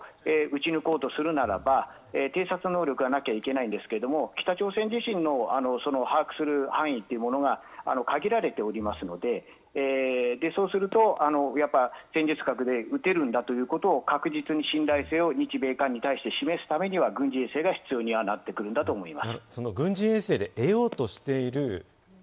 つまり軍事目標を打ち抜こうとするならば、偵察能力がなきゃいけないんですけれども、北朝鮮自身の把握する範囲というものが限られておりますので、そうすると戦術核で打てるんだということを確実に信頼性を日米韓に示すためには、軍事衛星が必要になってくるんだと思います。